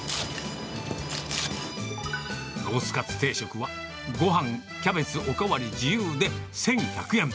ロースカツ定食はごはん、キャベツ、お代わり自由で１１００円。